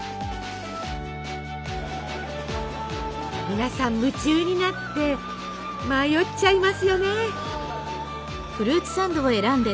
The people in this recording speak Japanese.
皆さん夢中になって迷っちゃいますよね。